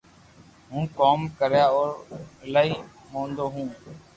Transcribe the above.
ھون ڪوم ڪريا رو ايلائي مودو ھون